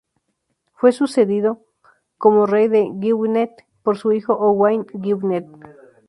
Fue sucedido como rey de Gwynedd por su hijo Owain Gwynedd.